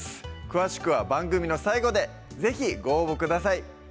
詳しくは番組の最後で是非ご応募ください